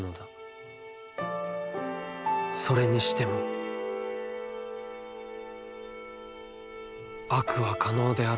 「それにしても悪は可能であろうか？」。